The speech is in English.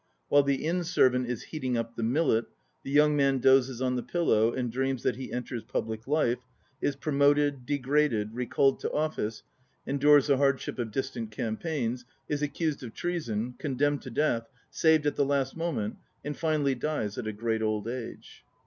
While the inn servant is heating up the millet, the young man dozes on the pillow and dreams that he enters public life, is promoted, de graded, recalled to office, endures the hardship of distant campaigns, is accused of treason, condemned to death, saved at the last moment and finally dies at a great old age.